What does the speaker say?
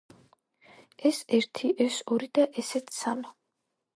ეს ერთი, ეს ორი და ესეც სამი.